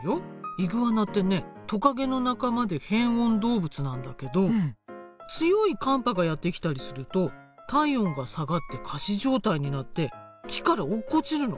イグアナってねトカゲの仲間で変温動物なんだけど強い寒波がやって来たりすると体温が下がって仮死状態になって木から落っこちるの。